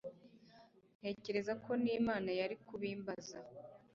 ndatekereza ko nImana yari kubimbaza